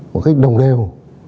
một cách đồng đều